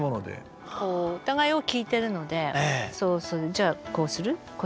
お互いを聴いてるのでじゃあこうする？